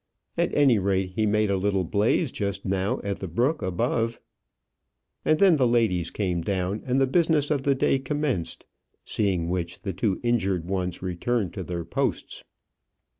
"At any rate, he made a little blaze just now at the brook above." And then the ladies came down, and the business of the day commenced; seeing which, the two injured ones returned to their posts.